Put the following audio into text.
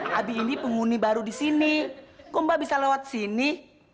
macam mana abie sih abie ini penghuni baru di sini kok mbak bisa lewat sini